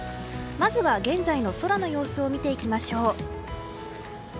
まずは現在の空の様子を見ていきましょう。